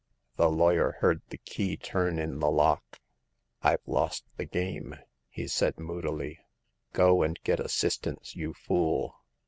The lawyer heard the key turn in the lock. "IVe lost the game,'' he said, moodily. Go and get assistance, you fool